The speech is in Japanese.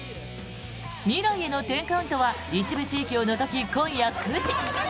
「未来への１０カウント」は一部地域を除き、今夜９時。